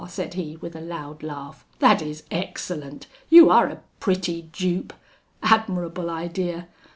said he, with a loud laugh; 'that is excellent! you are a pretty dupe! Admirable idea!